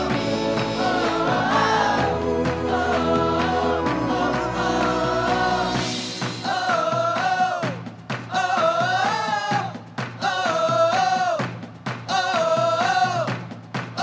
bila aku jadi kamu aku akan berharap